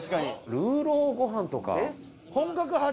ルーローご飯とか。